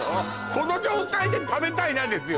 この状態で食べたいなですよ